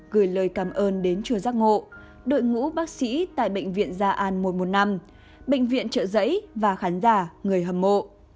gửi lời cảm ơn đến chùa giác ngộ đội ngũ bác sĩ tại bệnh viện gia an một trăm một mươi năm bệnh viện trợ giấy và khán giả người hâm mộ